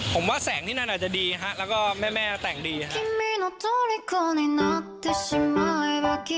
ผมว่าแสงที่นั่นอาจจะดีฮะแล้วก็แม่แต่งดีครับ